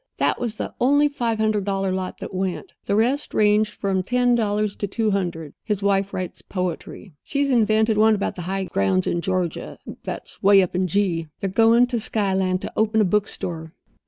That was the only five hundred dollar lot that went. The rest ranged from ten dollars to two hundred. His wife writes poetry. She's invented one about the high grounds of Georgia, that's way up in G. They're going to Skyland to open a book store."